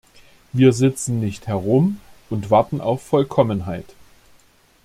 Wir sitzen nicht herum und warten auf Vollkommenheit.